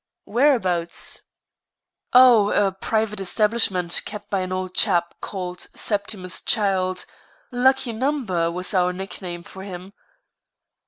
"Whereabouts?" "Oh, a private establishment kept by an old chap called Septimus Childe, Lucky Number was our nickname for him."